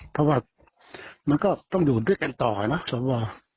เพราะว่ามันก็ต้องอยู่ด้วยกันต่อนะสว